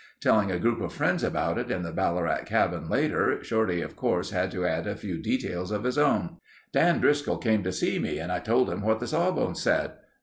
Telling a group of friends about it in the Ballarat cabin later, Shorty of course had to add a few details of his own: "Dan Driscoll came to see me and I told him what the sawbones said.